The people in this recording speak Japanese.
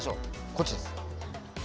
こっちです。